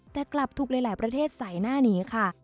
แต่กลับถูกหลายประเทศใส่หน้านี้ค่ะ